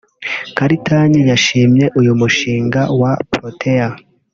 Karitanyi yashimye uyu mushinga wa Protea